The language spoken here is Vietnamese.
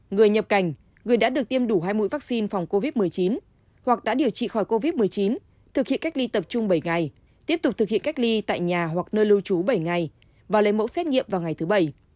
người nhập cảnh người đã được tiêm đủ hai mũi vaccine phòng covid một mươi chín hoặc đã điều trị khỏi covid một mươi chín thực hiện cách ly tập trung bảy ngày tiếp tục thực hiện cách ly tại nhà hoặc nơi lưu trú bảy ngày và lấy mẫu xét nghiệm vào ngày thứ bảy